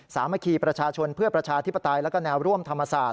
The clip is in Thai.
สามัคคีประชาชนเพื่อประชาธิปไตยแล้วก็แนวร่วมธรรมศาสต